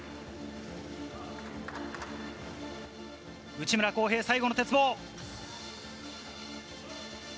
内村航平、最後の鉄棒。